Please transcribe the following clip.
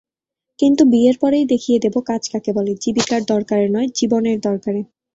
কিন্তু বিয়ের পরেই দেখিয়ে দেব কাজ কাকে বলে–জীবিকার দরকারে নয়, জীবনের দরকারে।